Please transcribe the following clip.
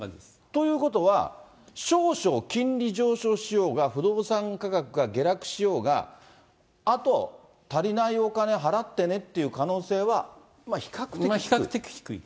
ということは、少々金利上昇しようが、不動産価格が下落しようが、あと足りないお金払ってねっていう可能性は比較的低い？